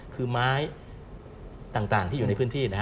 คือไม้ต่างที่อยู่ในพื้นที่นะฮะ